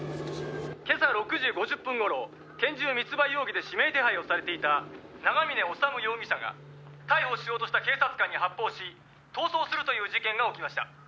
「今朝６時５０分頃拳銃密売容疑で指名手配をされていた長嶺修容疑者が逮捕しようとした警察官に発砲し逃走するという事件が起きました」